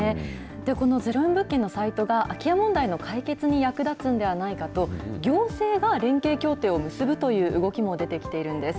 この０円物件のサイトが、空き家問題の解決に役立つんではないかと、行政が連携協定を結ぶという動きも出てきているんです。